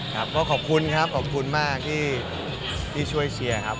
ครับก็ขอบคุณครับขอบคุณมากที่ช่วยเชียร์ครับ